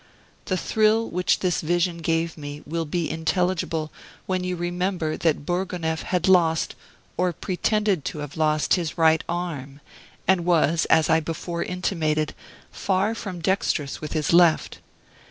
The thrill which this vision gave will be intelligible when you remember that Bourgonef had lost or pretended to have lost his right arm, and was, as I before intimated, far from dexterous with his left.